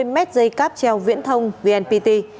tám mươi mét dây cáp treo viễn thông vnpt